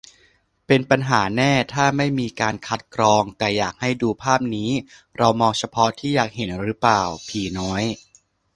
เป็นปัญหาแน่ถ้าไม่มีการคัดกรอง แต่อยากให้ดูภาพนี้ เรามองเฉพาะที่อยากเห็นรึเปล่า ผีน้อย